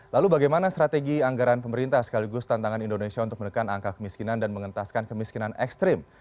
lalu bagaimana strategi anggaran pemerintah sekaligus tantangan indonesia untuk menekan angka kemiskinan dan mengentaskan kemiskinan ekstrim